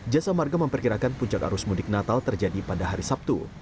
jasa marga memperkirakan puncak arus mudik natal terjadi pada hari sabtu